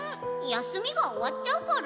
休みが終わっちゃうから。